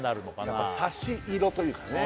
やっぱ差し色というかね